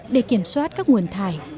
để kiểm soát các nguồn thải